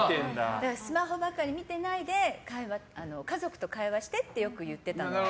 だから、スマホばかり見てないで家族と会話してってよく言ってたので。